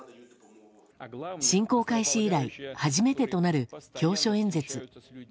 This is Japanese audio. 侵攻開始以来初めてとなる教書演説。